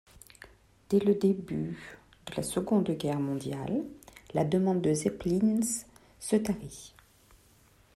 Dès le début de la Seconde Guerre mondiale, la demande de Zeppelins se tarit.